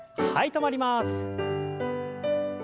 止まります。